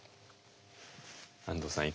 安藤さん